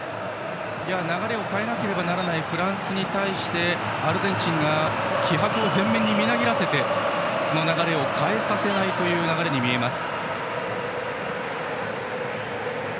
流れを変えなければいけないフランスに対してアルゼンチンが気迫を全面にみなぎらせてその流れを変えさせない流れに見えます。